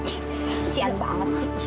kasihan banget sih